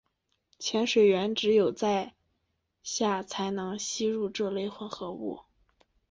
潜水员只有在下才能吸入这类混合物。